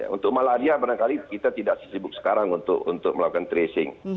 untuk malaria barangkali kita tidak sesibuk sekarang untuk melakukan tracing